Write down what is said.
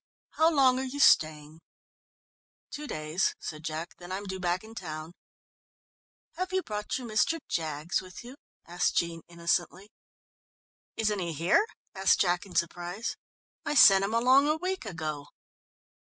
How long are you staying?" "Two days," said Jack, "then I'm due back in town." "Have you brought your Mr. Jaggs with you?" asked Jean innocently. "Isn't he here?" asked Jack in surprise. "I sent him along a week ago."